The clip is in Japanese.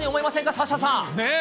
サッシャさん。ねぇ。